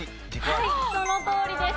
はいそのとおりです。